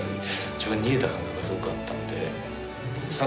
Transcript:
自分が逃げた感覚がすごくあったんで。